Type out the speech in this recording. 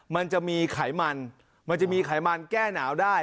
มันจะมีไขมันมันจะมีไขมันแก้หนาวได้